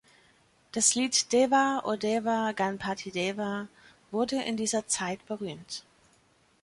Das Lied „Deva O Deva Ganpati Deva“ wurde in dieser Zeit berühmt.